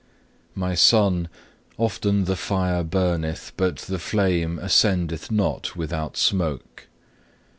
2. "My Son, often the fire burneth, but the flame ascendeth not without smoke.